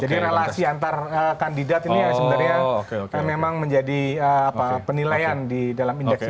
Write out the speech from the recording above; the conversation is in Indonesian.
jadi itu adalah empat kandidat ini yang sebenarnya memang menjadi penilaian di dalam indeks ini